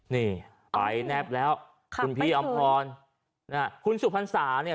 นี่ไปแนบแล้วค่ะคุณพี่อำพรนะฮะคุณสุพรรษาเนี่ย